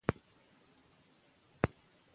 ازادي راډیو د روغتیا پر وړاندې د حل لارې وړاندې کړي.